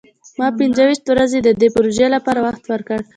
ما پنځه ویشت ورځې د دې پروژې لپاره وخت ورکړ.